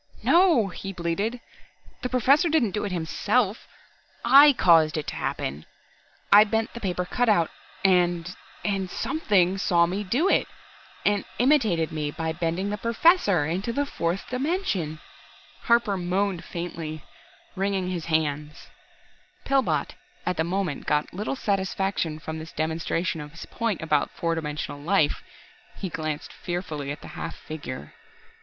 "No!" he bleated. "The Professor didn't do it himself I caused it to happen. I bent the paper cutout, and and Something saw me do it, and imitated me by bending the Professor into the fourth dimension!" Harper moaned faintly, wringing his hands. Pillbot at the moment got little satisfaction from this demonstration of his point about four dimensional life. He glanced fearfully at the half figure.